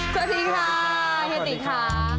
สวัสดีค่ะสวัสดีค่ะ